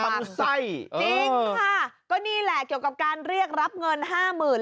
ไส้จริงค่ะก็นี่แหละเกี่ยวกับการเรียกรับเงินห้าหมื่น